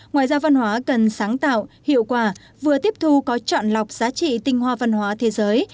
ngoài ra văn hóa cần sáng tạo hiệu quả vừa tiếp thu có chọn lọc giá trị tinh hoa văn hóa thế giới